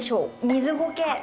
水ごけ！